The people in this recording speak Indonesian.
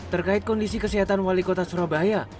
terkait kondisi kesehatan wali kota surabaya